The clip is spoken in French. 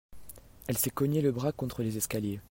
Elle s'est cognée le bras contre les escaliers.